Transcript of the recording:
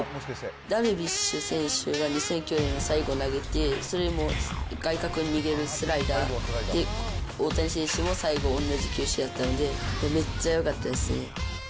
ダルビッシュ選手が２００９年の最後投げて、それも外角に逃げるスライダーで、大谷選手も最後同じ球種だったので、めっちゃよかったですね。